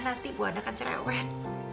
nanti ibu anda akan cerewet